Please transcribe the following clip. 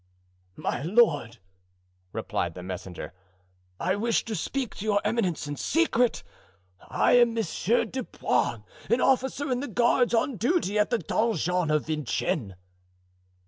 "My lord," replied the messenger, "I wish to speak to your eminence in secret. I am Monsieur du Poins, an officer in the guards, on duty at the donjon of Vincennes."